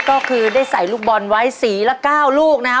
ก็คือได้ใส่ลูกบอลไว้สีละ๙ลูกนะฮะ